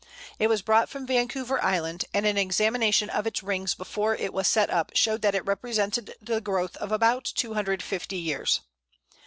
It was brought from Vancouver Island, and an examination of its rings before it was set up showed that it represented the growth of about 250 years.